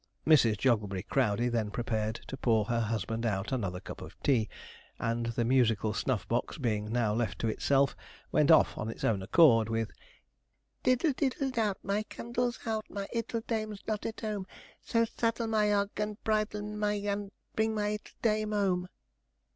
Mrs. Jogglebury Crowdey then prepared to pour her husband out another cup of tea, and the musical snuff box, being now left to itself, went off of its own accord with: 'Diddle, diddle, doubt, My candle's out. My 'ittle dame's not at 'ome So saddle my hog, and bridle my dog' And bring my 'ittle dame 'ome.'